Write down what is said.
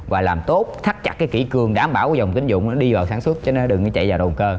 và làm tốt thắt chặt cái kỹ cường đảm bảo dòng tín dụng nó đi vào sản xuất cho nên đừng có chạy vào đồ cơ